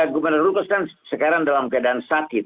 gubernur lukas kan sekarang dalam keadaan sakit